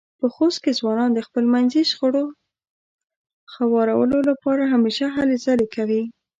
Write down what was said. په خوست کې ځوانان د خپلمنځې شخړو خوارولو لپاره همېشه هلې ځلې کوي.